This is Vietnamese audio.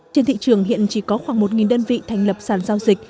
trên thị trường hiện chỉ có khoảng một đơn vị thành lập sản giao dịch